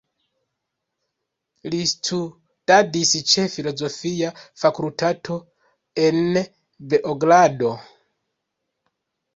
Li studadis ĉe filozofia fakultato en Beogrado.